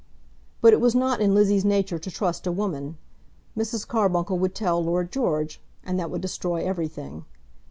But it was not in Lizzie's nature to trust a woman. Mrs. Carbuncle would tell Lord George, and that would destroy everything.